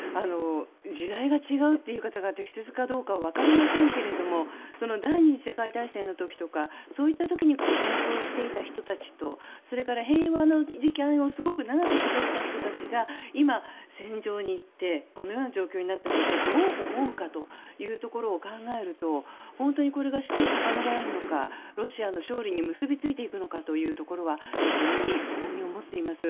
時代が違うっていう言い方が適切かどうかわかりませんが第２次世界大戦の時とかそういった時に戦争をしていた人たちとそれから平和の時間をすごく長く過ごした人たちが今、戦場に行ってこのような状況になったら一体、どう思うかというところを考えると本当にこれが士気を高められるのかロシアの勝利に結びついていくのかというところは非常に疑問に思っています。